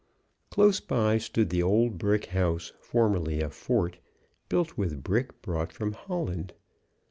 Close by stood the old brick house, formerly a fort, built with brick brought from Holland.